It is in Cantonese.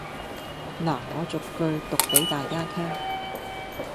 拿我逐句讀俾大家聽